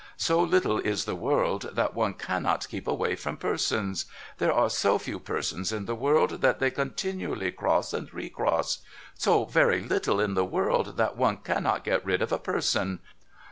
So little is the world, that one cannot keep away from persons. There are so few persons in the world, that they continually cross and re cross. So very little is the world, that one cannot get rid of a person.